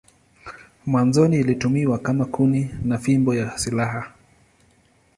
Mwanzoni ilitumiwa kama kuni na fimbo ya silaha.